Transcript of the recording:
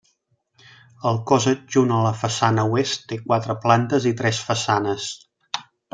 El cos adjunt a la façana oest té quatre plantes i tres façanes.